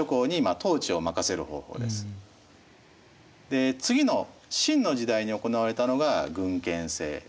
で次の秦の時代に行われたのが郡県制。